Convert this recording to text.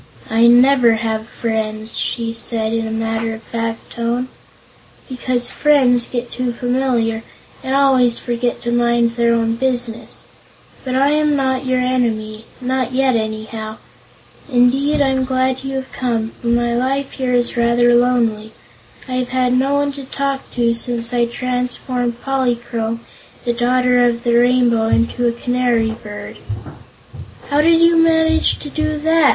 "I never have friends," she said in a matter of fact tone, "because friends get too familiar and always forget to mind their own business. But I am not your enemy; not yet, anyhow. Indeed, I'm glad you've come, for my life here is rather lonely. I've had no one to talk to since I transformed Polychrome, the Daughter of the Rainbow, into a canary bird." "How did you manage to do that?"